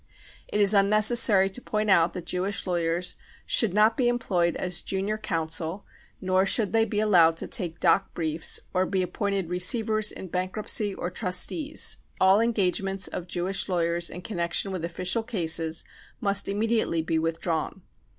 It is unnecessary to point out that Jewish lawyers should not be employed as junior counsel, nor should they be allowed to take dock briefs, or be ap pointed receivers in bankruptcy or trustees. All engage ments of Jewish lawyers in connection with official cases must immediately be withdrawn.